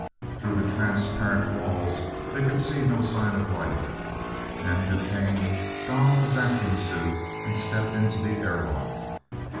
Through the transparent walls they could see no sign of life, and DuQuesne donned a vacuum suit and stepped into the airlock.